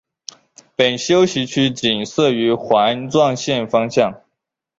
本休息区仅设于环状线方向。